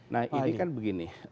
nah ini kan begini